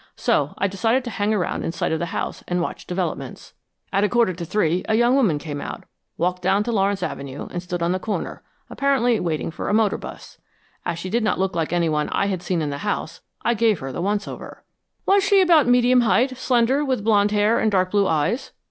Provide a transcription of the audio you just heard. So I decided to hang around in sight of the house and watch developments." "At a quarter to three a young woman came out, walked down to Lawrence Avenue and stood on the corner, apparently waiting for a motor bus. As she did not look like anyone I had seen in the house, I gave her the once over." "Was she about medium height, slender, with blonde hair and dark blue eyes?"